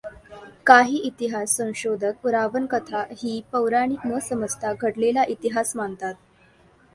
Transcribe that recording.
काहीं इतिहास संशोधक रावणकथा ही पौराणिक न समजता घडलेला इतिहास मानतात.